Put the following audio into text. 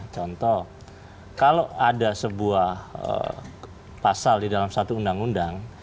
contoh kalau ada sebuah pasal di dalam satu undang undang